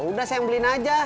udah saya beliin aja